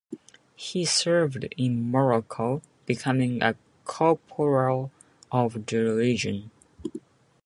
He served in Morocco, becoming a corporal of the Legion.